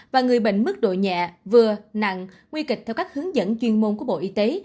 và người bệnh mức độ nhẹ vừa nặng nguy kịch theo các hướng dẫn chuyên môn của bộ y tế